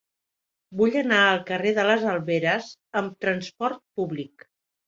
Vull anar al carrer de les Alberes amb trasport públic.